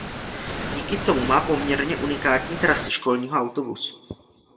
Díky tomu má poměrně unikátní trasy školního autobusu.